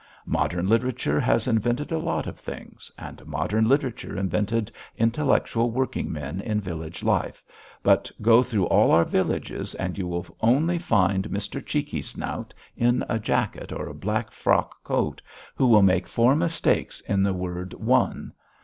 "Modern literature has invented a lot of things, and modern literature invented intellectual working men in village life, but go through all our villages and you will only find Mr. Cheeky Snout in a jacket or black frock coat, who will make four mistakes in the word 'one.'